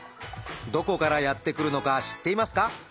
どこからやって来るのか知っていますか？